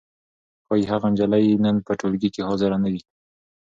ښايي هغه نجلۍ نن په ټولګي کې حاضره نه وي.